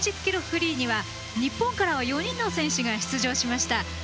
フリーには日本からは４人の選手が出場しました。